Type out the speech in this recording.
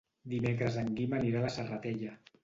Dimecres en Guim anirà a la Serratella.